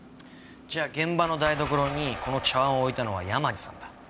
じゃあ現場の台所にこの茶碗を置いたのは山路さんだ。